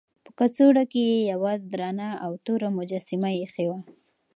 په کڅوړه کې یې یوه درنه او توره مجسمه ایښې وه.